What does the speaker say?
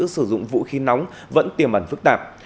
sử dụng vũ khí nóng vẫn tiềm ẩn phức tạp